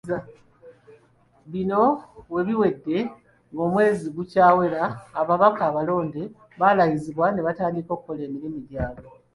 Bino we bijjidde ng'omwezi tegukyawera ababaka abalonde balayizibwe era batandika okukola emirimu gyabwe.